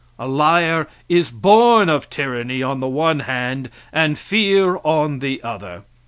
A liar is born of tyranny on the one hand and fear on the other.